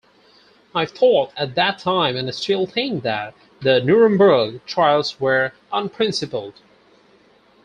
I thought at the time and still think that the Nuremberg trials were unprincipled.